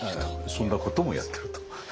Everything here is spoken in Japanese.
そんなこともやってると。